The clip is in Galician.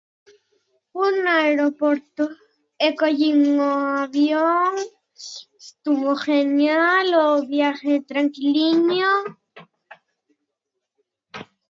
Un aeroporto e collín o avión, estuvo genial o viaje traquiliño.